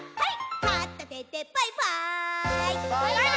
はい！